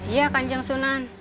iya kan sunan